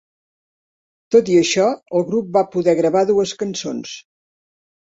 Tot i això, el grup va poder gravar dues cançons.